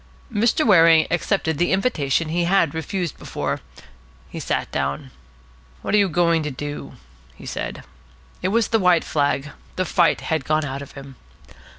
Mr. Waring accepted the invitation he had refused before. He sat down. "What are you going to do?" he said. It was the white flag. The fight had gone out of him.